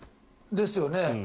ですよね。